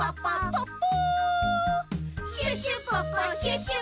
ポッポ！